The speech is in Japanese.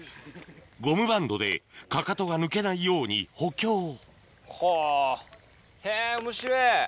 ゴムバンドでかかとが抜けないように補強はぁへぇおもしれぇ。